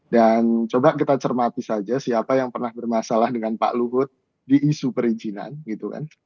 dan coba kita cermati saja siapa yang pernah bermasalah dengan pak luhut di isu perizinan gitu kan